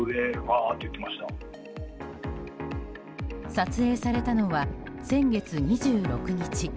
撮影されたのは先月２６日。